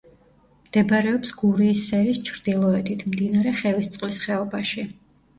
მდებარეობს გურიის სერის ჩრდილოეთით, მდინარე ხევისწყლის ხეობაში.